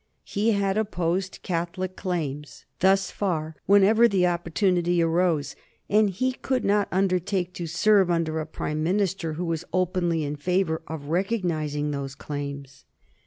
He had opposed Catholic claims thus far whenever the opportunity arose, and he could not undertake to serve under a Prime Minister who was openly in favor of recognizing those claims.